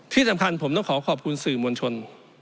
ที่สำคัญผมต้องขอขอบคุณสื่อมวลชน